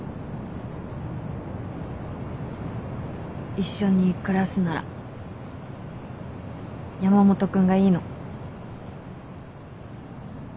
一緒に暮らすなら山本君がいいの。